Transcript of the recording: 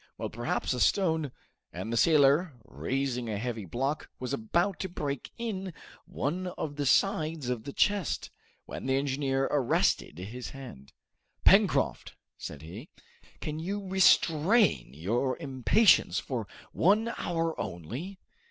Well, perhaps a stone " And the sailor, raising a heavy block, was about to break in one of the sides of the chest, when the engineer arrested his hand. "Pencroft," said he, "can you restrain your impatience for one hour only?"